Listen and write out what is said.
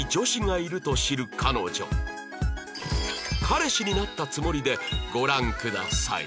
彼氏になったつもりでご覧ください